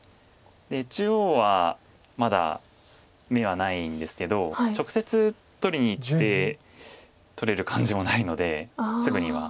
で中央はまだ眼はないんですけど直接取りにいって取れる感じもないのですぐには。